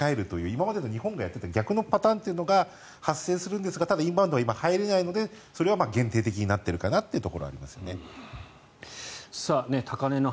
今までの日本がやってた逆のパターンというのが発生するんですがただ、インバウンドは今は入れないのでそれが限定的になっているところはあるのかなと。